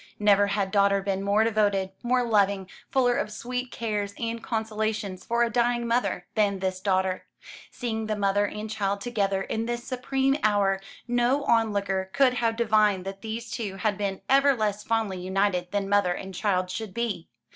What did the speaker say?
Never had daughter been more devoted, more loving, fuller of sweet cares and consolations for a dying mother, than this daughter. Seeing the mother and child together in this supreme hour, no onlooker could have divined that these two had been ever less fondly united than mother and child should be.